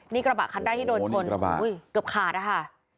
นี่กระบะคันแรกที่โดนชนเกือบขาดนะคะ